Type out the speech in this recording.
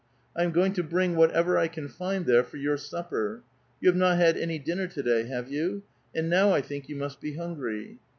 I am going to bring whatever I can find there for your supper. You have not had any jijin ner to day, have you ? and now I think you must be hungry."